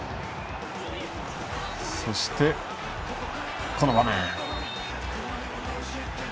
そしてこの場面。